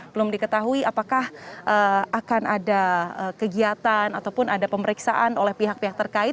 belum diketahui apakah akan ada kegiatan ataupun ada pemeriksaan oleh pihak pihak terkait